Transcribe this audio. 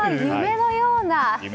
夢のような。